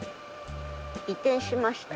移転しました。